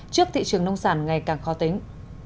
trước thị trường nông sản ngày càng khó tính